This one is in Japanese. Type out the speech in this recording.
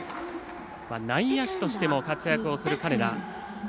内野手としても活躍をする金田。